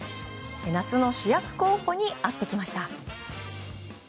夏の主役候補に会ってきました。